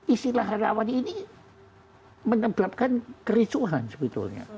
istilah relawan ini menyebabkan kericuhan sebetulnya